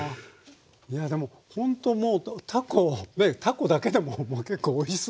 いやでもほんともうたこねえたこだけでももう結構おいしそうに。